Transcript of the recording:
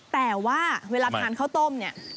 แต่ว่าเวลาทานข้าวต้มเนี่ย